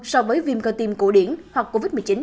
so với viêm cơ tim cổ điển hoặc covid một mươi chín